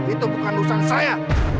itu bukan urusan saya